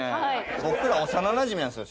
僕ら幼なじみなんですよ。